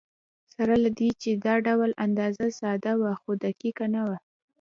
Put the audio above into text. سره له دې چې دا ډول اندازه ساده وه، خو دقیقه نه وه.